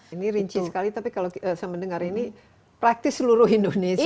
ini rinci sekali tapi kalau saya mendengar ini praktis seluruh indonesia